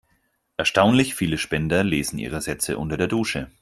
Erstaunlich viele Spender lesen ihre Sätze unter der Dusche.